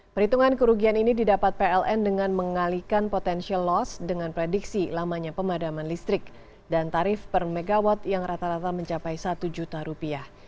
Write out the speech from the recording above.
perhitungan kerugian ini didapat pln dengan mengalihkan potential loss dengan prediksi lamanya pemadaman listrik dan tarif per megawatt yang rata rata mencapai satu juta rupiah